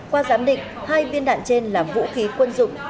qua giám định hai viên đạn trên là vũ khí quân dụng